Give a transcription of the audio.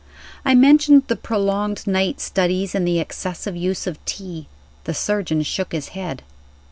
I mentioned the prolonged night studies and the excessive use of tea. The surgeon shook his head.